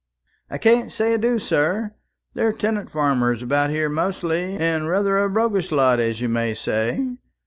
"I can't say I do, sir. They're tenant farmers about here mostly, and rather a roughish lot, as you may say.